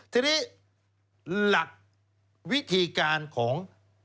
ทีนี้หลักวิธีการของ